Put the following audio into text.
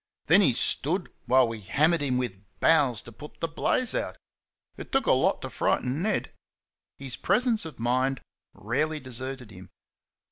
Then he stood while we hammered him with boughs to put the blaze out. It took a lot to frighten Ned. His presence of mind rarely deserted him.